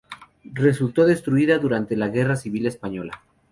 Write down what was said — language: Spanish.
Resultó destruida durante la Guerra Civil Española.